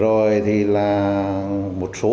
rồi thì là một số cái